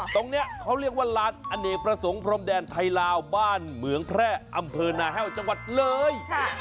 ตรงนี้เขาเรียกว่าลานอเนกประสงค์พรมแดนไทยลาวบ้านเหมืองแพร่อำเภอนาแห้วจังหวัดเลย